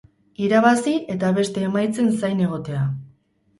Irabazi eta beste emaitzen zain egotea.